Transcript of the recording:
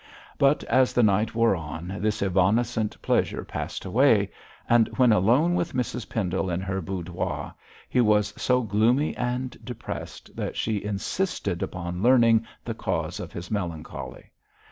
But as the night wore on, this evanescent pleasure passed away, and when alone with Mrs Pendle in her boudoir, he was so gloomy and depressed that she insisted upon learning the cause of his melancholy.